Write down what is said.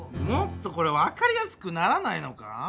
もっとこれわかりやすくならないのか？